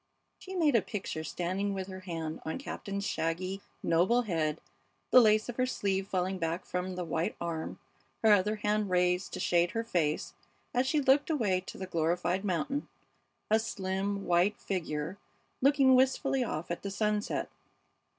She made a picture standing with her hand on Captain's shaggy, noble head, the lace of her sleeve falling back from the white arm, her other hand raised to shade her face as she looked away to the glorified mountain, a slim, white figure looking wistfully off at the sunset.